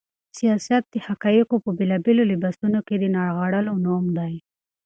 سياست د حقايقو په بېلابېلو لباسونو کې د نغاړلو نوم دی.